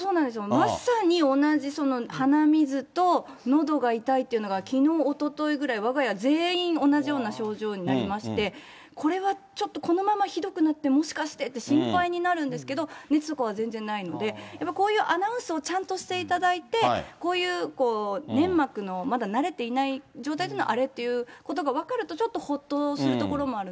まさに同じ、鼻水とのどが痛いっていうのが、きのう、おとといぐらい、わが家全員、同じような症状になりまして、これはちょっと、このままひどくなって、もしかしてって心配になるんですけど、熱とかは全然ないので、やっぱりこういうアナウンスをちゃんとしていただいて、こういう粘膜のまだ慣れていない状態での荒れということが分かるとちょっとほっとするところもあるので。